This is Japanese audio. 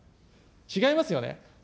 違いますよね。